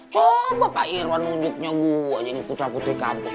coba pak irwan nunjuknya gue jadi putra putri kampus